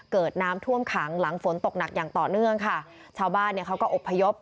เกิดน้ำท่วมขังหลังฝนตกหนักอย่างต่อเนื่องค่ะชาวบ้านเนี่ยเขาก็อบพยพ